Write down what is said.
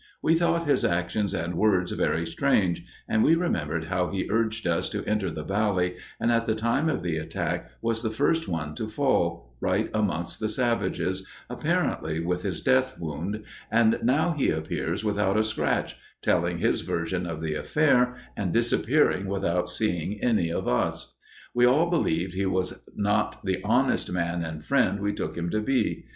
We thought his actions and words very strange and we remembered how he urged us to enter the Valley, and at the time of the attack was the first one to fall, right amongst the savages, apparently with his death wound, and now he appears without a scratch, telling his version of the affair and disappearing without seeing any of us. We all believed he was not the honest man and friend we took him to be.